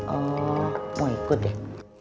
oh mau ikut deh